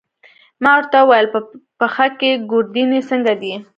ما ورته وویل: په پښه کې، ګوردیني څنګه دی؟